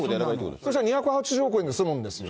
そうすれば２８０億円で済むんですよ。